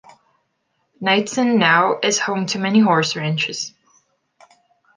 Knightsen now is home to many horse ranches.